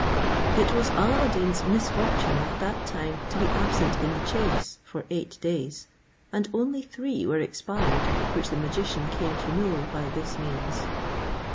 It was Alla ad Deen's misfortune at that time to be absent in the chase for eight days, and only three were expired, which the magician came to know by this means.